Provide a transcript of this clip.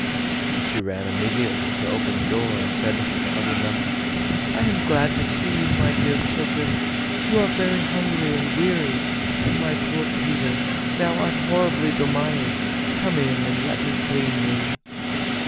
She ran immediately to open the door, and said, hugging them: "I am glad to see you, my dear children; you are very hungry and weary; and my poor Peter, thou art horribly bemired; come in and let me clean thee."